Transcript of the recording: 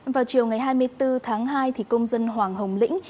vào chiều ngày hai mươi bốn tháng hai công dân hoàng hồng lĩnh